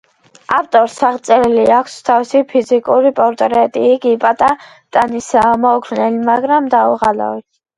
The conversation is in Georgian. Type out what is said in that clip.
ავტორს აღწერილი აქვს თავისი ფიზიკური პორტრეტი: იგი პატარა ტანისაა, მოუქნელი, მაგრამ დაუღალავი.